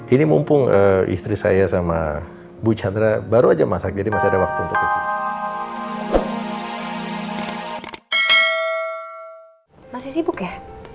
ini mumpung istri saya sama bu chandra baru aja masak jadi masih ada waktu untuk kesini